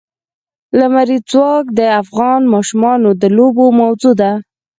لمریز ځواک د افغان ماشومانو د لوبو موضوع ده.